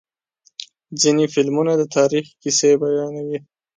ځینې فلمونه د تاریخ کیسې بیانوي.